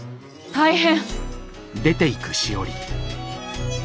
大変！